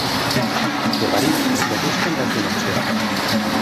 De París, me gustan las dimensiones.